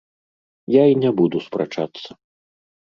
Я і не буду спрачацца.